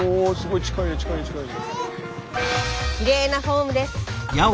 きれいなフォームです。